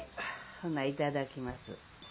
ほな頂きます。